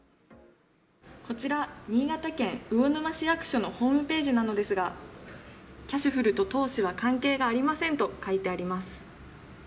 こちら、新潟県魚沼市役所のホームページなのですが、キャシュふると当市は関係がありませんと書いてあります。